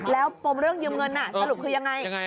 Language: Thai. แล้วปมเรื่องยืมเงินสรุปคือยังไง